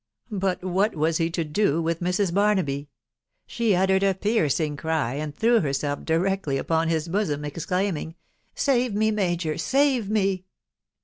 But what was he to do with Mrs. Barnaby ? She uttered a piercing cry, and threw herself directly upon his bosom, exclaiming, " Save me, major !— save me